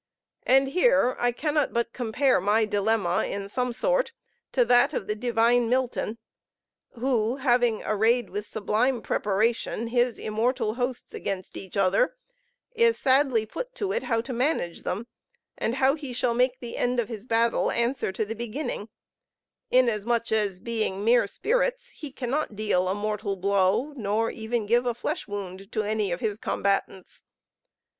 And here I cannot but compare my dilemma, in some sort, to that of the divine Milton, who, having arrayed with sublime preparation his immortal hosts against each other, is sadly put to it how to manage them, and how he shall make the end of his battle answer to the beginning; inasmuch as, being mere spirits, he cannot deal a mortal blow, nor even give a flesh wound to any of his combatants.